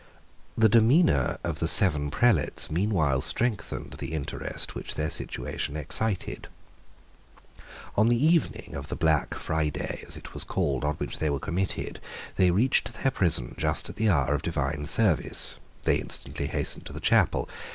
The demeanour of the seven prelates meanwhile strengthened the interest which their situation excited. On the evening of the Black Friday, as it was called, on which they were committed, they reached their prison just at the hour of divine service. They instantly hastened to the chapel.